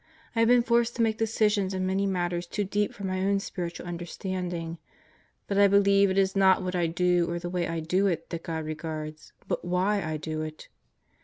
I have been forced to make decisions in many matters too deep for my own spiritual understanding. But I believe it is not what I do, or the way I do it, that God regards; but why I do it.